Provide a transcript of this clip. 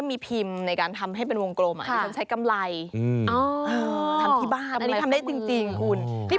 ไม่เป็นลิขสิทธิ์